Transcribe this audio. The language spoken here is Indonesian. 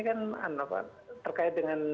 kan apa terkait dengan